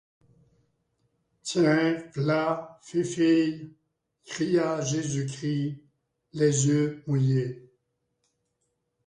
Tiens! v’là fifille ! cria Jésus-Christ, les yeux mouillés.